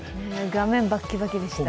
画面バッキバキでした。